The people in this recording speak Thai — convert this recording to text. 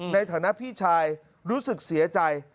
ในฐานะพี่ชายรู้สึกเสียใจ